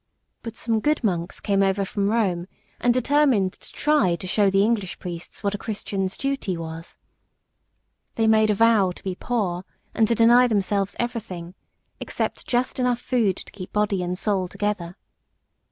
But some good monks came over from Rome, and determined to try to show the English priests what a Christian's duty was. They made a vow to be poor, and to deny themselves everything, except just enough food to keep body and soul together.